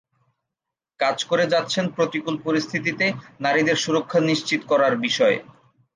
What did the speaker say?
কাজ করে যাচ্ছেন প্রতিকূল পরিস্থিতিতে নারীদের সুরক্ষা নিশ্চিত করার বিষয়ে।